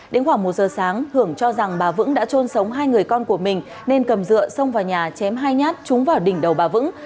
đến khoảng một giờ sáng hưởng cho rằng bà vững đã trôn sống hai người con của mình nên cầm dựa xông vào nhà chém hai nhát trúng vào đỉnh đầu bà vững